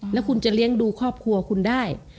แล้วคุณจะเลี้ยงดูครอบครัวคุณได้